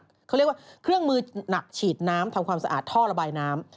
เขาเรียกว่าเครื่องมือหนักฉีดน้ำทำความสะอาดท่อระบายน้ำ